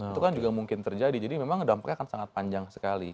itu kan juga mungkin terjadi jadi memang dampaknya akan sangat panjang sekali